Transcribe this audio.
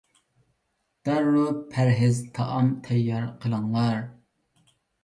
دەررۇ پەرھىز تائام تەييار قىلىڭلار!